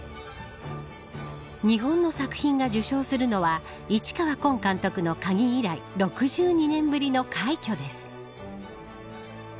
日本の作品が受賞するのは市川崑監督の鍵以来６２年ぶりの快挙です。